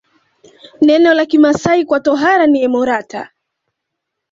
Neno la Kimasai kwa tohara ni emorata